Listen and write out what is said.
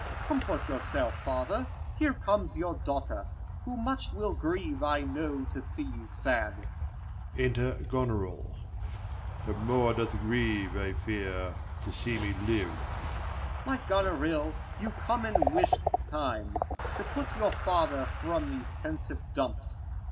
Comfort yourself, Father, here comes your daughter, Who much will grieve, I know, to see you sad. x^ 10 Enter G on or ill. Leir. But more doth grieve, I fear, to see me live. Corn. My Gonorill, you come in wished time, To put your father from these pensive dumps.